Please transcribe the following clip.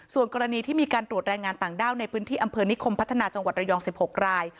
ส่วนกรณีที่มีการตรวจแรงงานต่างด้าวในพื้นที่อำเภอนิคมพัฒนาจังหวัดระยอง๑๖ราย